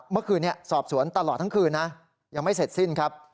เมื่อคืนนี้สอบสวนตลอดทั้งคืนนะยังไม่เสร็จสิ้นครับ